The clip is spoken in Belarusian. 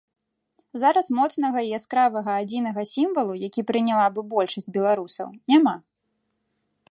Зараз моцнага і яскравага адзінага сімвалу, які прыняла б большасць беларусаў, няма.